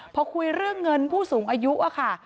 พอคุยเรื่องเงินผู้สูงอายุค่ะ